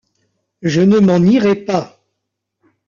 Je ne m’en irai pas!